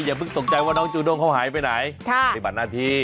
อย่าเพิ่งตกใจว่าน้องจูด้งเขาหายไปไหนปฏิบัติหน้าที่